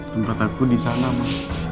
tempat aku disana ma